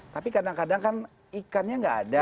tapi kadang kadang kan ikannya nggak ada